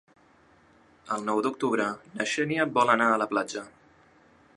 El nou d'octubre na Xènia vol anar a la platja.